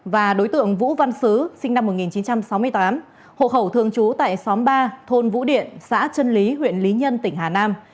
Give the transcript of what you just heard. và đối tượng vũ văn sứ sinh năm một nghìn chín trăm sáu mươi tám hộ khẩu thường trú tại xóm ba thôn vũ điện xã trân lý huyện lý nhân tỉnh hà nam